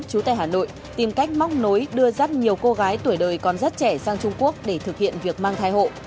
chú tại hà nội tìm cách móc nối đưa rất nhiều cô gái tuổi đời còn rất trẻ sang trung quốc để thực hiện việc mang thai hộ